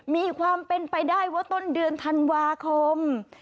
มีความเป็นไปได้ว่าต้นเดือนธันวาคม